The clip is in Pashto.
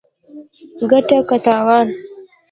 ګټه که تاوان